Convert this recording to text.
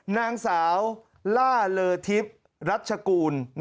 นางสาวล่าเลอทิพย์รัชกูล